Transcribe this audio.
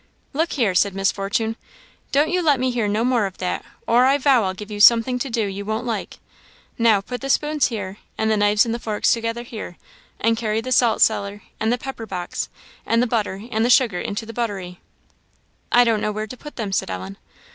"Look here," said Miss Fortune "don't you let me hear no more of that, or I vow I'll give you something to do you won't like. Now, put the spoons here, and the knives and forks together here; and carry the salt cellar, and the pepper box, and the butter and the sugar into the buttery." "I don't know where to put them," said Ellen.